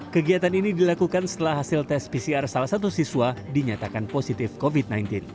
kegiatan ini dilakukan setelah hasil tes pcr salah satu siswa dinyatakan positif covid sembilan belas